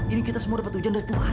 ini kita semua dapat tujuan dari tuhan